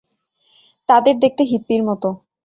তাদের দেখতে হিপ্পির মতো!